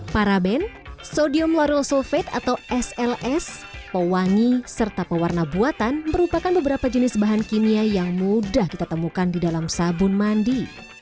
paraben sodium laral sulfait atau sls pewangi serta pewarna buatan merupakan beberapa jenis bahan kimia yang mudah kita temukan di dalam sabun mandi